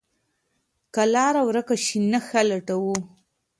که لاره ورکه شي، نښه لټو.